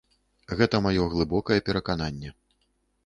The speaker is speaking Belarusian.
Гэта маё глыбокае перакананне.